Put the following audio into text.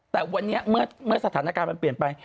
แต่วันนี้เมื่อสถานการณ์มันเปลี่ยนไป